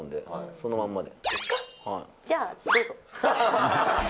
そのまんまで。